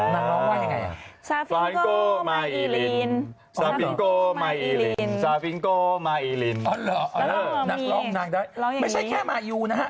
นักร้องนางได้ร้องอย่างงี้ไม่ใช่แค่ไม่อยู่นะฮะ